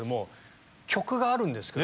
曲があるんですけど。